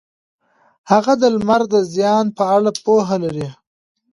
هغه د لمر د زیان په اړه پوهه لري.